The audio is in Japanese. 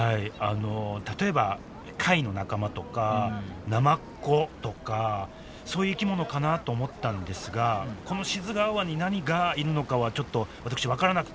例えば貝の仲間とかナマコとかそういう生き物かなと思ったんですがこの志津川湾に何がいるのかはちょっと私分からなくて。